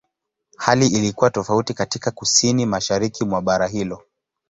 Hali ilikuwa tofauti katika Kusini-Mashariki mwa bara hilo.